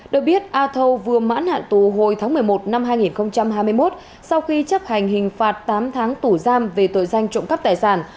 được biết a thâu vừa mãn hạn tù hồi tháng một mươi một năm hai nghìn hai mươi một sau khi chấp hành hình phạt tám tháng tù giam về tội danh trộm cắp tài sản